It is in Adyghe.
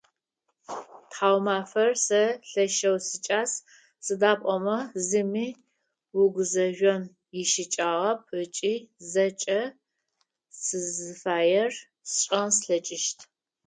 Тхьаумафэр сэ лъэшэу сикӏас, сыда пӏомэ зыми угузэжъон ищыкӏагъэп ыкӏи зэкӏэ сызыфаер сшӏэн слъэкӏыщт.